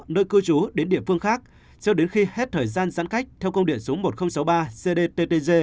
nơi cư trú đến địa phương khác cho đến khi hết thời gian giãn cách theo công điện số một nghìn sáu mươi ba cdttg